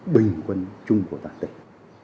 bình quân chung của toàn tỉnh